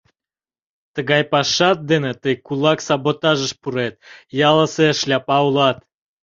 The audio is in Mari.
Тыгай пашат дене тый кулак саботажыш пурет, ялысе «шляпа» улат...